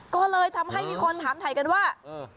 ก็เลยทำให้มีคนถามถ่ายกันว่า